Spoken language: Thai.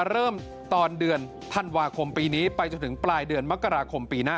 เริ่มตอนเดือนธันวาคมปีนี้ไปจนถึงปลายเดือนมกราคมปีหน้า